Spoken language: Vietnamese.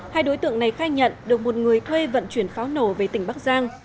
hai đối tượng này khai nhận được một người thuê vận chuyển pháo nổ về tỉnh bắc giang